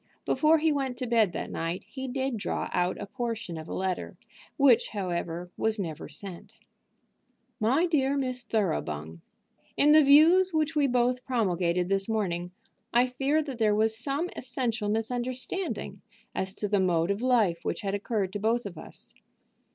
Before he went to bed that night he did draw out a portion of a letter, which, however, was never sent: "MY DEAR MISS THOROUGHBUNG, In the views which we both promulgated this morning I fear that there was some essential misunderstanding as to the mode of life which had occurred to both of us.